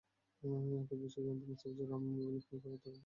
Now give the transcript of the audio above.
একই বিষয়ে জানতে মোস্তাফিজুর রহমানের মোবাইলে ফোন করে তাঁকে পাওয়া যায়নি।